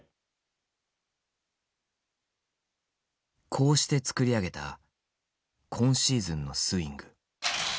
こうして作り上げた今シーズンのスイング。